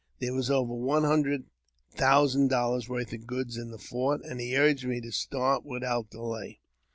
There was over one hundred thousand dollars' worth of goods in the fort, and he urged me to start without delay.